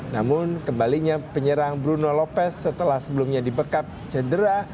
namun kembalinya penyerang bruno lopez setelah sebelumnya dibekap cedera